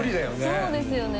そうですよね。